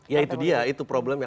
ya itu dia itu problemnya